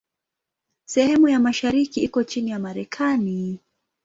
Sehemu ya mashariki iko chini ya Marekani.